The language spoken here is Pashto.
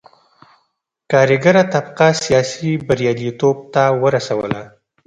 کارګره طبقه سیاسي بریالیتوب ته ورسوله.